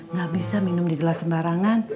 nggak bisa minum di gelas sembarangan